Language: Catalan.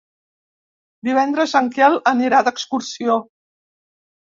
Divendres en Quel anirà d'excursió.